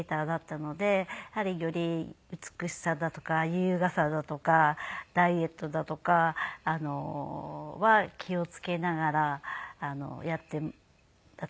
やはりより美しさだとか優雅さだとかダイエットだとかは気を付けながらやっていました。